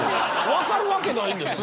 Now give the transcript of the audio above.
分かるわけないんです。